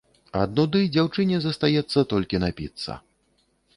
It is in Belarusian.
Ад нуды дзяўчыне застаецца толькі напіцца.